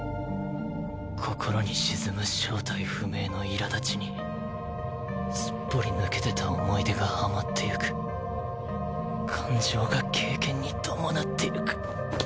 心に沈む正体不明の苛だちにスッポリ抜けてた思い出が嵌ってゆく感情が経験に伴って往く